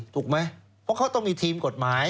ถูกไหมเพราะเขาต้องมีทีมกฎหมาย